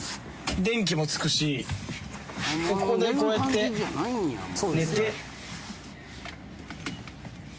電気もつくしここでこうやって寝て。